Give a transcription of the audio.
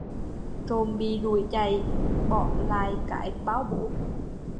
Trộm bị đuổi chạy, bỏ lại cái bao bố